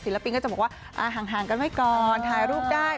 ปินก็จะบอกว่าห่างกันไว้ก่อนถ่ายรูปได้